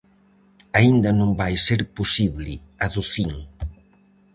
-Aínda non vai ser posible -aducín-.